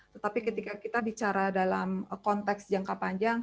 tetapi ketika kita bicara dalam konteks jangka panjang